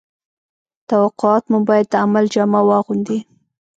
توقعات مو باید د عمل جامه واغوندي